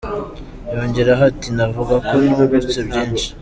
Yongeraho ati « Navuga ko nungutse byinshi.